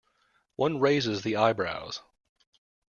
One raises the eyebrows.